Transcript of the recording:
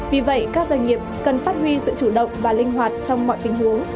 vì vậy các doanh nghiệp cần phát huy sự chủ động và linh hoạt trong mọi tình huống